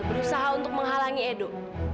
berusaha untuk menghalangi edo